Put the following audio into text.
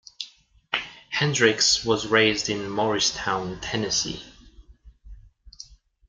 Hendrix was raised in Morristown, Tennessee.